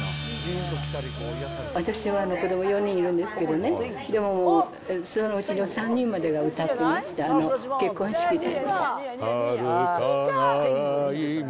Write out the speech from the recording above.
私は子ども４人いるんですけどね、でもそのうちの３人までが歌ってました、結婚式で。